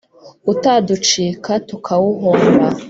utaducika tukawuhomba